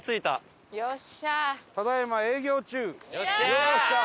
よっしゃー！